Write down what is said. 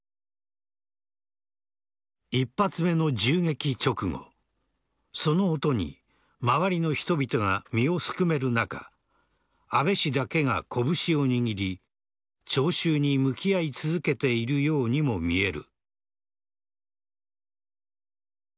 １発目の銃撃直後その音に周りの人々が身をすくめる中安倍氏だけが拳を握り聴衆に向き合い続けているようにも見える。